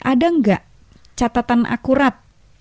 ada nggak catatan akurat